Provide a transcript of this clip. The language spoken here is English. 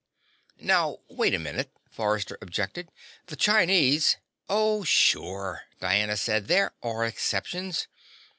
"Now wait a minute," Forrester objected. "The Chinese " "Oh, sure," Diana said. "There are exceptions.